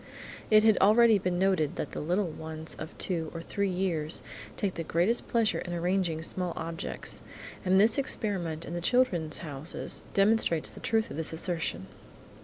It had already been noted that little ones of two or three years take the greatest pleasure in arranging small objects, and this experiment in the "Children's Houses" demonstrates the truth of this assertion.